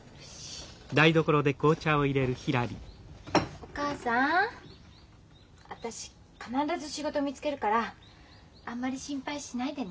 お母さん私必ず仕事見つけるからあんまり心配しないでね。